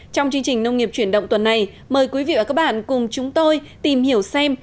trong chương trình nông nghiệp chuyển động tuần này mời quý vị và các bạn cùng chúng tôi tìm hiểu xem